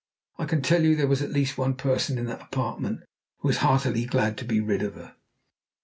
I can tell you there was at least one person in that apartment who was heartily glad to be rid of her.